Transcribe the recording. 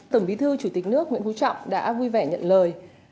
tổng bí thư chủ tịch nước nguyễn phú trọng đã vui vẻ nhận lời